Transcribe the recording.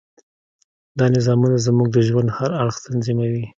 دا نظامونه زموږ د ژوند هر اړخ تنظیموي.